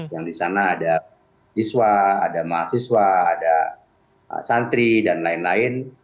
yang di sana ada siswa ada mahasiswa ada santri dan lain lain